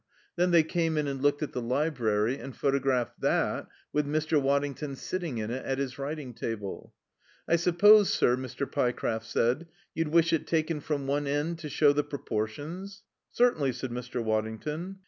Then they came in and looked at the library and photographed that, with Mr. Waddington sitting in it at his writing table. "I suppose, sir," Mr. Pyecraft said, "you'd wish it taken from one end to show the proportions?" "Certainly," said Mr. Waddington.